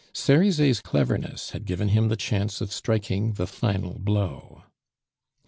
Cerizet's cleverness had given him the chance of striking the final blow.